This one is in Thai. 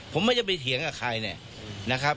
ผมไม่ได้ไปเถียงกับใครเนี่ยนะครับ